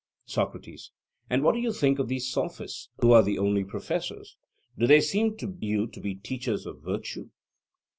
SOCRATES: And what do you think of these Sophists, who are the only professors? Do they seem to you to be teachers of virtue?